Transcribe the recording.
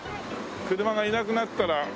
車がいなくなったら。